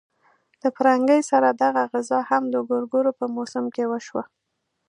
له پرنګي سره دغه غزا هم د ګورګورو په موسم کې وشوه.